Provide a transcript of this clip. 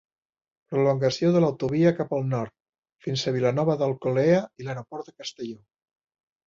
Prolongació de l'autovia cap al nord, fins a Vilanova d'Alcolea i l'Aeroport de Castelló.